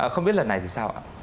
không biết lần này thì sao ạ